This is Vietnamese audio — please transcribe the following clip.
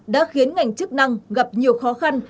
đã khiến ngành chức năng gặp nhiều khó khăn